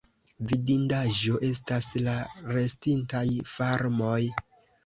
Vidindaĵo estas la restintaj farmoj.